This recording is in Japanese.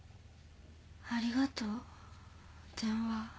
ありがとう電話。